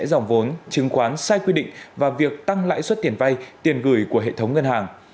các ngân hàng đã tăng lãi suất cho vay chứng khoán sai quy định và việc tăng lãi suất tiền vay tiền gửi của hệ thống ngân hàng